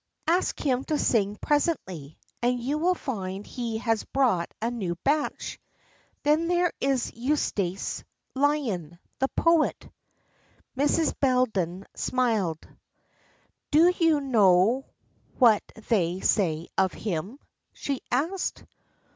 "Ask him to sing presently, and you will find he has brought a new batch. Then there is Eustace Lyon, the poet." Mrs. Bellenden smiled. "Do you know what they say of him?" she asked.